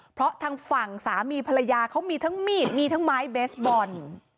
เพราะทางฝั่งสามีภรรยาเขามีทั้งมีดมีทั้งไม้เบสบอล